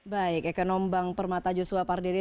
baik ekonom bang permata joshua pardiri